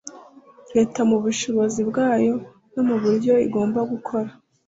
Leta mu bushobozi bwayo no mu buryo igomba gukora